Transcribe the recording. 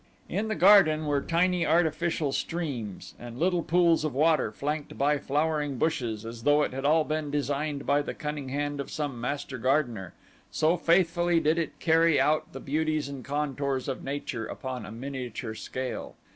In the garden were tiny artificial streams and little pools of water, flanked by flowering bushes, as though it all had been designed by the cunning hand of some master gardener, so faithfully did it carry out the beauties and contours of nature upon a miniature scale.